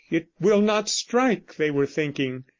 . it will not strike," they were thinking.